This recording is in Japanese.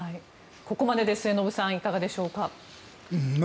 ここまでで末延さん、いかがでしょうか。